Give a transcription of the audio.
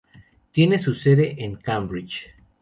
Tiene su sede en Cambridge.